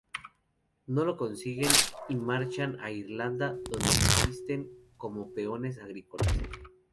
No lo consiguen, y marchan a Irlanda donde subsisten como peones agrícolas.